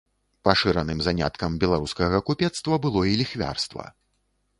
Пашыраным заняткам беларускага купецтва было і ліхвярства.